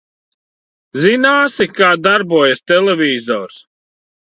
Zināsi, kā darbojas televizors?